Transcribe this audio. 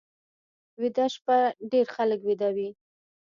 ویده شپه ډېر خلک ویده وي